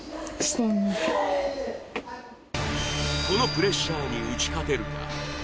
このプレッシャーに打ち勝てるか。